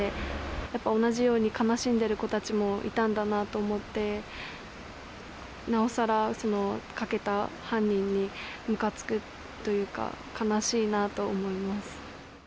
やっぱ同じように、悲しんでる子たちもいたんだなと思って、なおさら、そのかけた犯人にむかつくというか、悲しいなと思います。